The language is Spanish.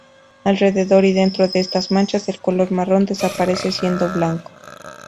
Alrededor y dentro de estas manchas, el color marrón desaparece, siendo blanco.